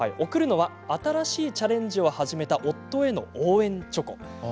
贈るのは、新しいチャレンジを始めた夫への応援チョコ。